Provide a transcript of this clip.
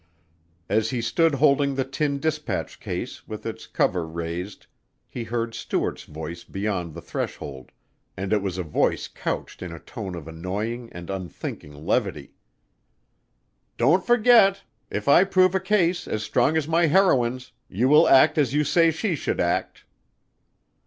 As he stood holding the tin dispatch case with its cover raised he heard Stuart's voice beyond the threshold and it was a voice couched in a tone of annoying and unthinking levity. "Don't forget! If I prove a case as strong as my heroine's you will act as you say she should act."